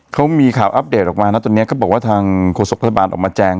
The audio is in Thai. เขามีข่าวอัปเดตออกมานะตอนนี้ก็บอกว่าทางโฆษกพยาบาลออกมาแจง